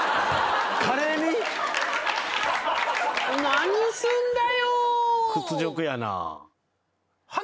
何すんだよ？